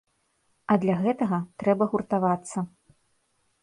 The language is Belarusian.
А для гэтага трэба гуртавацца.